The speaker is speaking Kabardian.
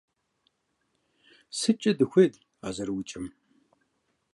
СыткӀэ дыхуей а зэрыукӀым?